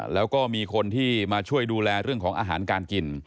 แล้วก็มีคนที่มาช่วยดูแลเรื่องของอาหารการกิน